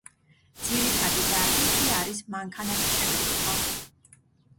ძირითადი დარგი კი არის მანქანათმშენებლობა.